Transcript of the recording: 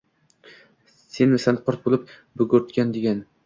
Senmisan qurt bo’lib, burgutman degan?